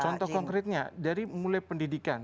nah yang konkretnya dari mulai pendidikan